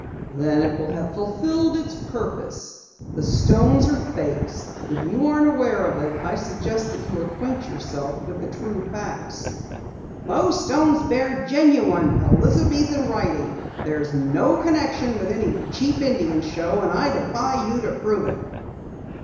"Then it will have fulfilled its purpose. The stones are fakes. If you aren't aware of it, I suggest that you acquaint yourself with the true facts." "Those stones bear genuine Elizabethan writing. There's no connection with any cheap Indian show, and I defy you to prove it!"